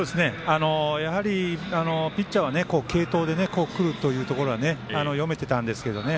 やはりピッチャーは継投でくるというところは読めてたんですけどね。